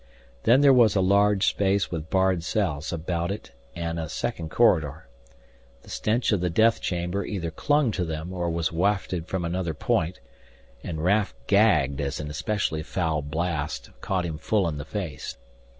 Then there was a large space with barred cells about it and a second corridor. The stench of the death chamber either clung to them, or was wafted from another point, and Raf gagged as an especially foul blast caught him full in the face.